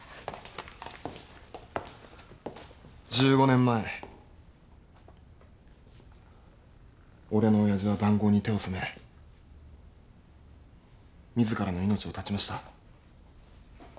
１５年前俺の親父は談合に手を染め自らの命を絶ちました。